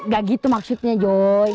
gak gitu maksudnya joy